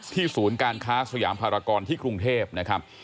ศูนย์การค้าสยามภารกรที่กรุงเทพนะครับ